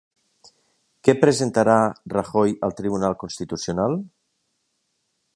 Què presentarà Rajoy al Tribunal Constitucional?